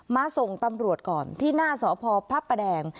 มาส่งตำรวจก่อนที่หน้าสพพระประแดง